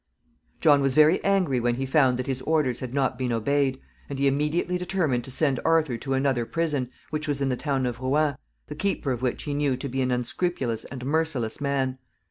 John was very angry when he found that his orders had not been obeyed, and he immediately determined to send Arthur to another prison, which was in the town of Rouen, the keeper of which he knew to be an unscrupulous and merciless man.